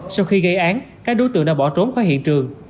sau khi gây án các đối tượng đã bỏ trốn khỏi hiện trường